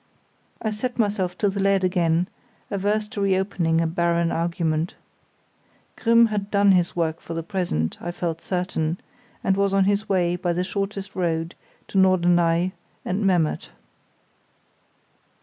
I set myself to the lead again, averse to reopening a barren argument. Grimm had done his work for the present, I felt certain, and was on his way by the shortest road to Norderney and Memmert.